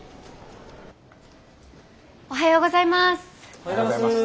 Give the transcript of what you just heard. おはようございます！